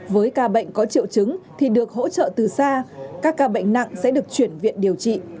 với ca bệnh có triệu chứng thì được hỗ trợ từ xa các ca bệnh nặng sẽ được chuyển viện điều trị